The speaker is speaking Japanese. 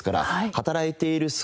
働いている姿